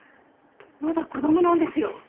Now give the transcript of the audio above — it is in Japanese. まだ子どもなんですよ？